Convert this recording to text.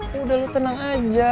ya udah lu tenang aja